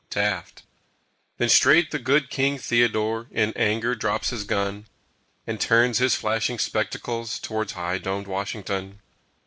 TAFT." Then straight the good King Theodore In anger drops his gun And turns his flashing spectacles Toward high domed Washington.